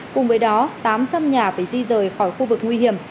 cùng với đó tám trăm linh nhà phải di rời khỏi khu vực nguy hiểm